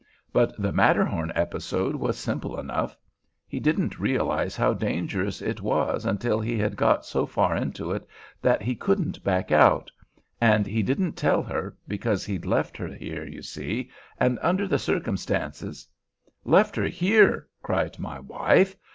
But the Matterhorn episode was simple enough. He didn't realize how dangerous it was until he had got so far into it that he couldn't back out; and he didn't tell her, because he'd left her here, you see, and under the circumstances——" "Left her here!" cried my wife.